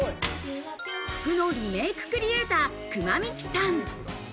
服のリメイククリエイター、くまみきさん。